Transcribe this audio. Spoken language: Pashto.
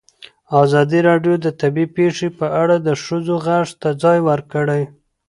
ازادي راډیو د طبیعي پېښې په اړه د ښځو غږ ته ځای ورکړی.